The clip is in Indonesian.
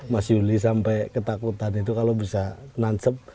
mas yuli sampai ketakutan itu kalau bisa nansep